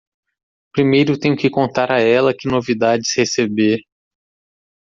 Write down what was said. Primeiro tenho que contar a ela que novidades receber!